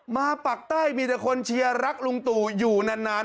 ปากใต้มีแต่คนเชียร์รักลุงตู่อยู่นาน